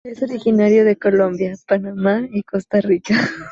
Es originaria de Colombia, Panamá, y Costa Rica.